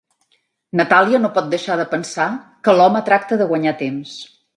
Natàlia no pot deixar de pensar que l'home tracta de guanyar temps.